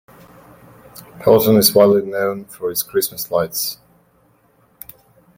Haughton is widely known for its Christmas lights.